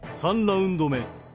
３ラウンド目。